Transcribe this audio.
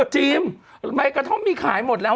จริงไมกระท่อมนี่ขายหมดแล้ว